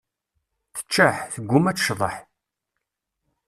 Teččeḥ, tegguma ad tecḍeḥ.